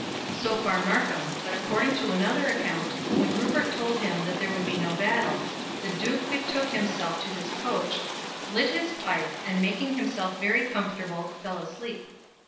So far Markham: but according to another account, when Rupert told him that there would be no battle, the Duke betook himself to his coach, "lit his pipe, and making himself very comfortable, fell asleep."